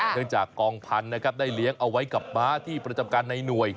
เนื่องจากกองพันธุ์ได้เลี้ยงเอาไว้กับม้าที่ประจำกันในหน่วย